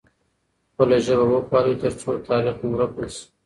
خپله ژبه وپالئ ترڅو تاریخ مو ورک نه سي.